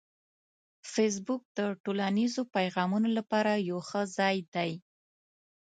فېسبوک د ټولنیزو پیغامونو لپاره یو ښه ځای دی